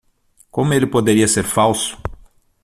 Como ele poderia ser falso?